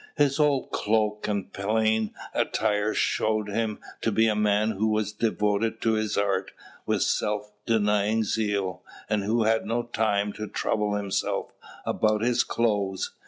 His old cloak and plain attire showed him to be a man who was devoted to his art with self denying zeal, and who had no time to trouble himself about his clothes.